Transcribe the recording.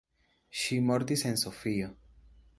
Ŝi mortis en Sofio.